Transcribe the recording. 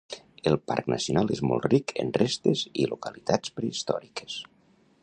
El parc nacional és molt ric en restes i localitats prehistòriques.